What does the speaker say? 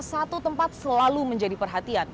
satu tempat selalu menjadi perhatian